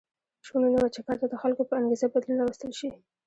شونې نه وه چې کار ته د خلکو په انګېزه بدلون راوستل شي.